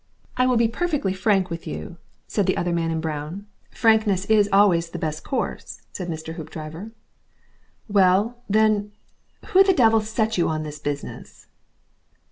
"I will be perfectly frank with you," said the other man in brown. "Frankness is always the best course," said Mr. Hoopdriver. "Well, then who the devil set you on this business?"